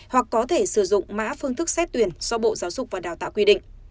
hoặc có thể sử dụng mã phương thức xét tuyển do bộ giáo dục và đào tạo quy định